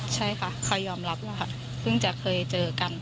ใช่ค่ะเขายอมรับแล้วค่ะเพิ่งจะเคยเจอกันอะไรอย่างนี้ค่ะ